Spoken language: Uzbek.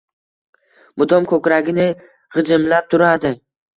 Mudom koʻkragini gʻijimlab turadi.